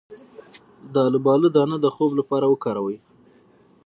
د الوبالو دانه د خوب لپاره وکاروئ